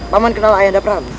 pak mani kenal ayah dapran